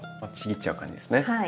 あっちぎっちゃう感じですね。